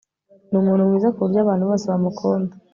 Ni umuntu mwiza kuburyo abantu bose bamukunda